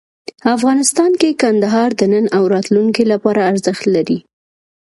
افغانستان کې کندهار د نن او راتلونکي لپاره ارزښت لري.